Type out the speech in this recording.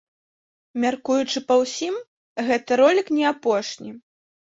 Мяркуючы па ўсім, гэты ролік не апошні.